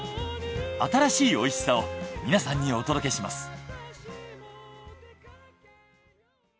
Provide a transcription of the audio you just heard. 新しい美味しさを皆さんにお届けします。